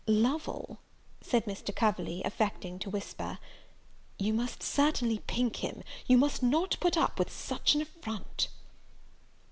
"Lovel," said Mr. Coverley, affecting to whisper, "you must certainly pink him: you must not put up with such an affront."